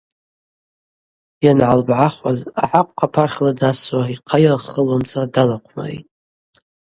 Йангӏалбгӏахуаз ахӏахъв хъапахьла дасуа йхъайырххылуамца далахъвмаритӏ.